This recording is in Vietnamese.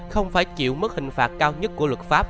không phải chịu mức hình phạt cao nhất của luật pháp